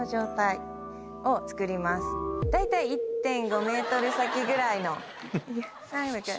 大体１．５ｍ先ぐらい。